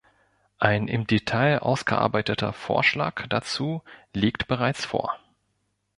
Ein im Detail ausgearbeiteter Vorschlag dazu liegt bereits vor.